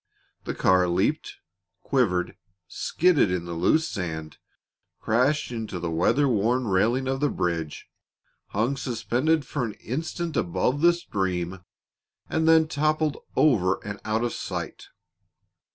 The car leaped, quivered, skidded in the loose sand, crashed into the weather worn railing of the bridge, hung suspended for an instant above the stream, and then toppled over and out of sight.